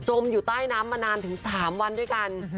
อยู่ใต้น้ำมานานถึง๓วันด้วยกัน